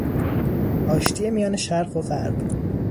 آشتی میان شرق و غرب